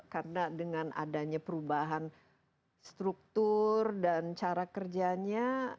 karena dengan adanya perubahan struktur dan cara kerjanya